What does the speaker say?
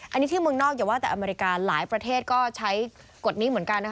อันนี้ที่เมืองนอกอย่าว่าแต่อเมริกาหลายประเทศก็ใช้กฎนี้เหมือนกันนะคะ